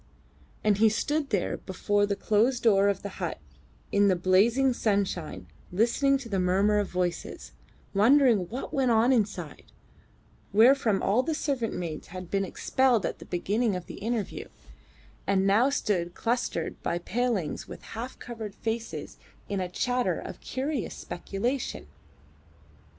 And he stood there before the closed door of the hut in the blazing sunshine listening to the murmur of voices, wondering what went on inside, wherefrom all the servant maids had been expelled at the beginning of the interview, and now stood clustered by the palings with half covered faces in a chatter of curious speculation.